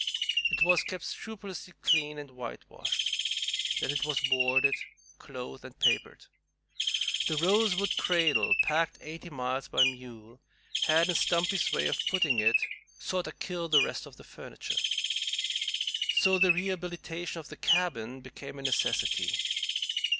It was kept scrupulously clean and whitewashed. Then it was boarded, clothed, and papered. The rose wood cradle, packed eighty miles by mule, had, in Stumpy's way of putting it, "sorter killed the rest of the furniture." So the rehabilitation of the cabin became a necessity.